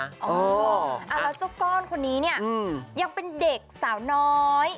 แล้วเจ้าก้อนคนนี้เนี่ยยังเป็นเด็กสาวน้อย